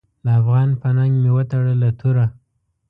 د افغان په ننګ مې وتړله توره .